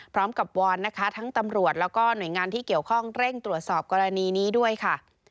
วอนนะคะทั้งตำรวจแล้วก็หน่วยงานที่เกี่ยวข้องเร่งตรวจสอบกรณีนี้ด้วยค่ะ